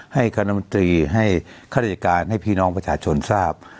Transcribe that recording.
ให้คณะมนตรีให้ข้าราชการให้พี่น้องประชาชนทราบ